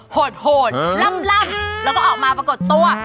โหดล่ำแล้วก็ออกมาปรากฏตัว